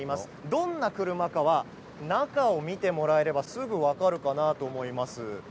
どんな車かは中を見てもらえればすぐ分かるかなと思います。